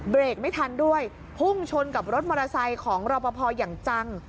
เบรกไม่ทันด้วยพุ่งชนกับรถมอเตอร์ไซค์ของรอปภอย่างจัง